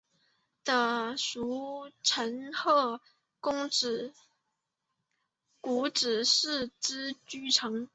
的重臣鹤谷氏之居城。